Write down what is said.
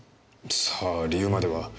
さあ理由までは。